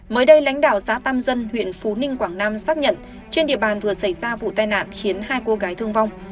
mới đây lãnh đạo xã tam dân huyện phú ninh quảng nam xác nhận trên địa bàn vừa xảy ra vụ tai nạn khiến hai cô gái thương vong